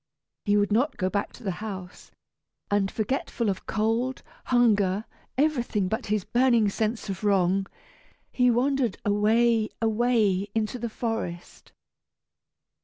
He would not go back to the house, and, forgetful of cold, hunger, everything but his burning sense of wrong, he wandered away, away, into the forest.